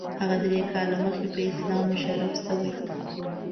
هغه درې کاله مخکې په اسلام مشرف شوی.